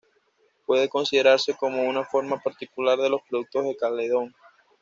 Puede considerarse como una forma particular de los productos de celadón.